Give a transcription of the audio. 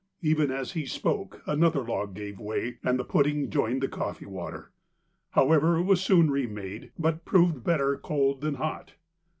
Even as he spoke another log gave way and the pudding joined the coffee water. However it was soon re made, but proved better cold than hot.